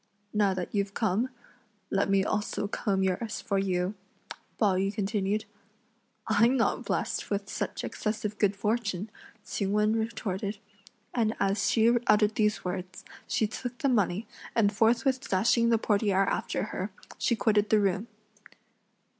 "Now that you've come, let me also comb yours for you," Pao yü continued. "I'm not blessed with such excessive good fortune!" Ch'ing Wen retorted, and as she uttered these words, she took the money, and forthwith dashing the portiere after her, she quitted the room.